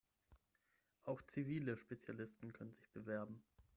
Auch zivile Spezialisten können sich bewerben.